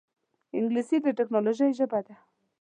انګلیسي د ټکنالوجۍ ژبه ده